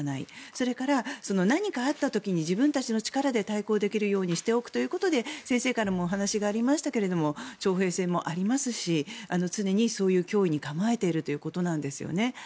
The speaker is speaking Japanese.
それから何かあった時に自分たちの力で対抗できるようにしておくということで先生からもお話がありましたが徴兵制もありますし常にそういう脅威に構えているということです。